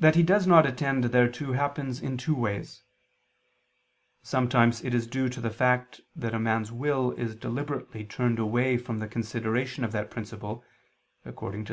That he does not attend thereto happens in two ways. Sometimes it is due to the fact that a man's will is deliberately turned away from the consideration of that principle, according to Ps.